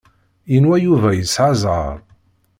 Yenwa Yuba yesɛa zzheṛ.